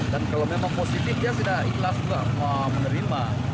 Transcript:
dan kalau memang positif dia sudah ikhlas menerima